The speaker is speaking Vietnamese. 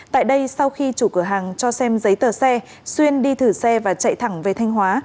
tại đây sau khi chủ cửa hàng cho xem giấy tờ xe xuyên đi thử xe và chạy thẳng về thanh hóa